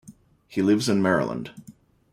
He lives in Maryland.